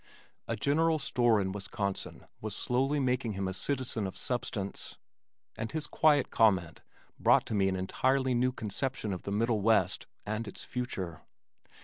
A general store in Wisconsin was slowly making him a citizen of substance and his quiet comment brought to me an entirely new conception of the middle west and its future.